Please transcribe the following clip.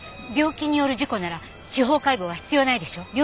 病気による事故なら司法解剖は必要ないでしょ？